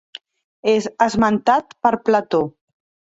És esmentat per Plató.